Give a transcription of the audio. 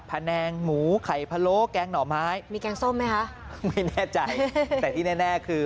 แผนงหมูไข่พะโล้แกงหน่อไม้มีแกงส้มไหมคะไม่แน่ใจแต่ที่แน่แน่คือ